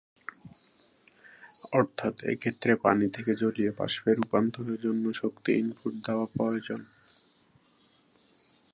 অর্থাৎ, এক্ষেত্রে পানি থেকে জলীয় বাষ্পে রূপান্তরের জন্য শক্তি ইনপুট দেওয়া প্রয়োজন।